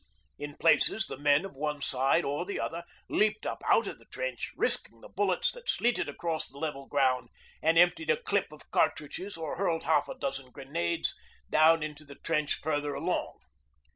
In places, the men of one side or the other leaped up out of the trench, risking the bullets that sleeted across the level ground, and emptied a clip of cartridges or hurled half a dozen grenades down into the trench further along.